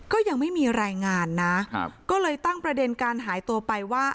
ก็ยังไม่มีรายงานนะก็เลยตั้งประเด็นการหายตัวไปว่า